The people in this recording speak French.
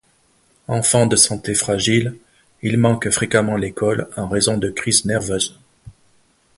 Enfant de santé fragile, il manque fréquemment l'école en raison de crises nerveuses.